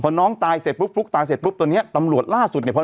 พอน้องตายเสร็จปุ๊บฟลุกตายเสร็จปุ๊บตอนเนี้ยตำรวจล่าสุดเนี่ยพอ